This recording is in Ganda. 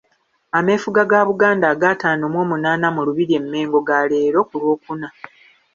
Ameefuga ga Buganda aga ataano mw'omunaana mu Lubiri e Mmengo ga leero ku Lw'okuna.